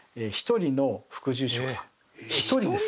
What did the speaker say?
１人です！